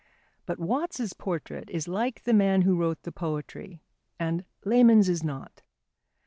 But Watts's portrait is like the man who wrote the poetry, and Lehmann's is not.